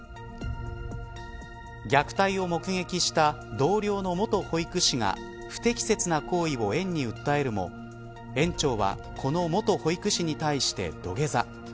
虐待を目撃した同僚の元保育士が不適切な行為を園に訴えるも園長はこの元保育士に対して土下座。